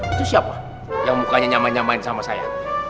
itu siapa yang mukanya nyamain nyamain sama saya